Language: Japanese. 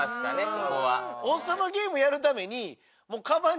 ここは。